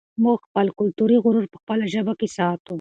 موږ خپل کلتوري غرور په خپله ژبه کې ساتو.